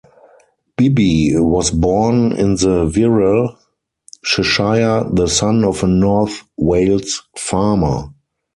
Bibby was born in the Wirral, Cheshire, the son of a North Wales farmer.